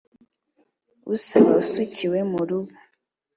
uzaba usukiwe mu rubu